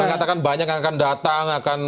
mengatakan banyak yang akan datang akan